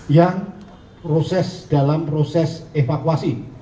yang proses dalam proses evakuasi